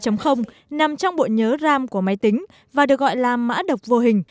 có tên là duc hai nằm trong bộ nhớ ram của máy tính và được gọi là mã độc vô hình